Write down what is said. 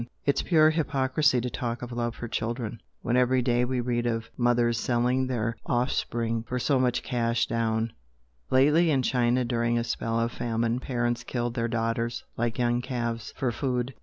It's pure hypocrisy to talk of love for children, when every day we read of mothers selling their offspring for so much cash down, lately in China during a spell of famine parents killed their daughters like young calves, for food.